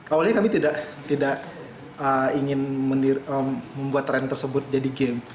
awalnya kami tidak ingin membuat tren tersebut jadi game